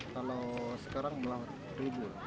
kalau sekarang berdua ribu dua ribu dua ribu juta